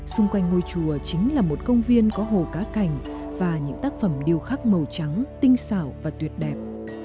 xung quanh ngôi chùa chính là một công viên có hồ cá cành và những tác phẩm điều khác màu trắng tinh xảo và tuyệt đẹp